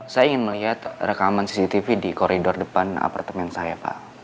saya ingin melihat rekaman cctv di koridor depan apartemen saya pak